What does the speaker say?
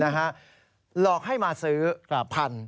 หลอกให้มาซื้อพัน